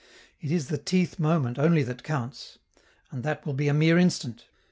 It is the t th moment only that counts and that will be a mere instant.